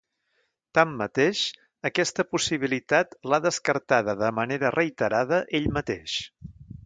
Tanmateix, aquesta possibilitat l’ha descartada de manera reiterada ell mateix.